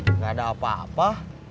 enggak ada apa apa